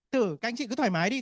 thử các anh chị cứ thoải mái đi